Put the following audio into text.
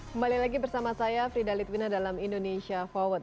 kembali lagi bersama saya fridalit winner dalam indonesia forward